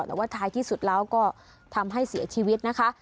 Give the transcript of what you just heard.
แต่ว่าท้ายที่สุดแล้วก็ทำให้เสียชีวิตนะคะ